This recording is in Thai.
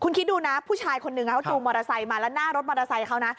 คุณคิดดูนะผู้ชายคนนึงเขาจูงมอเตอร์ไซค์มาแล้วหน้ารถมอเตอร์ไซค์เขานะ